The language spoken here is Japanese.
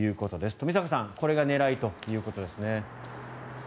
冨坂さんこれが狙いということですね。